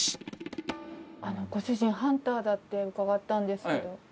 ご主人ハンターだって伺ったんですけど。